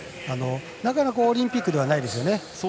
なかなかオリンピックではないですよね。